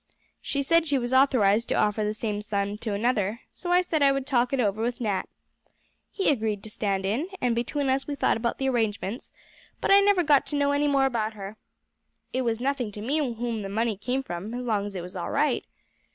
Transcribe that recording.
She said she was authorized to offer the same sum to another, so I said I would talk it over with Nat. He agreed to stand in, and between us we thought about the arrangements; but I never got to know any more about her. It was nothing to me whom the money came from, as long as it was all right.